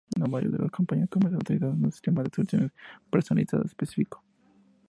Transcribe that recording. La mayoría de las compañías comerciales utilizan un sistema de soluciones personalizadas específico.